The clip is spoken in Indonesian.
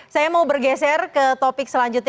saya mau bergeser ke topik selanjutnya